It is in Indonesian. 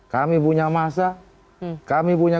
kami punya masa kami punya